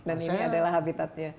dan ini adalah habitatnya